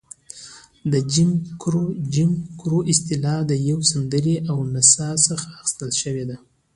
د جیم کرو اصطلاح د یوې سندرې او نڅا څخه اخیستل شوې وه.